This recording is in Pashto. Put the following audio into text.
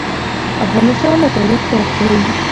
افغانستان له تاریخ ډک دی.